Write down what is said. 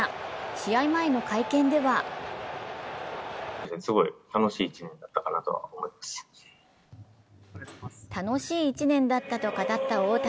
試合前の会見では楽しい１年だったと語った大谷。